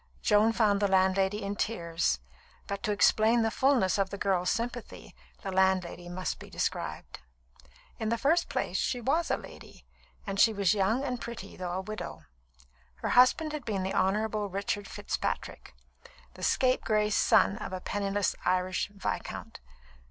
Joan found the landlady in tears; but to explain the fulness of the girl's sympathy, the landlady must be described. In the first place, she was a lady; and she was young and pretty, though a widow. Her husband had been the Honourable Richard Fitzpatrick, the scapegrace son of a penniless Irish viscount.